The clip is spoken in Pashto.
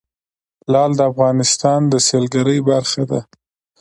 لعل د افغانستان د سیلګرۍ برخه ده.